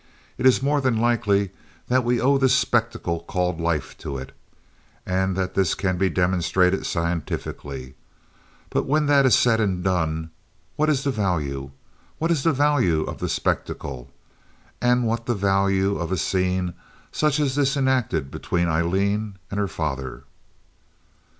It is more than likely that we owe this spectacle called life to it, and that this can be demonstrated scientifically; but when that is said and done, what is the value? What is the value of the spectacle? And what the value of a scene such as this enacted between Aileen and her father?